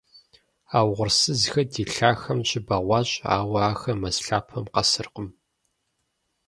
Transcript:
А угъурсызхэр ди лъахэм щыбэгъуащ, ауэ ахэр мэз лъапэм къэсыркъым.